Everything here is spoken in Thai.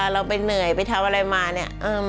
ร้องได้ให้ร้าง